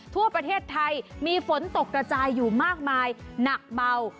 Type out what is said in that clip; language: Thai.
ทั่วประเทศไทยมีฝนตกกระจายอยู่มากมายหนักเบา